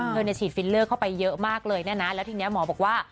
เธอเนี่ยฉีดฟิลเลอร์เข้าไปเยอะมากเลยเนี่ยนะแล้วทีนี้หมอบอกว่า